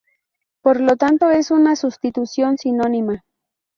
Por lo tanto, es una sustitución sinónima.